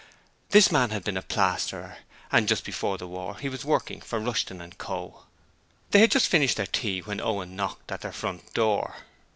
This man had been a plasterer, and just before the war he was working for Rushton & Co. They had just finished their tea when Owen knocked at their front door.